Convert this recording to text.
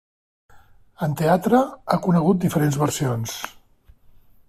En teatre ha conegut diferents versions.